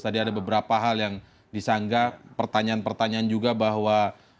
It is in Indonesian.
tadi ada beberapa hal yang disanggah pertanyaan pertanyaan juga bahwa